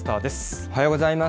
おはようございます。